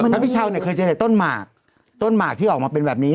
พระพิชาวเนี่ยเคยใช้ต้นหมากต้นหมากที่ออกมาเป็นแบบนี้